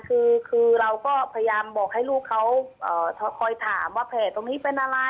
คือเราก็พยายามบอกให้ลูกเขาคอยถามว่าแผลตรงนี้เป็นอะไร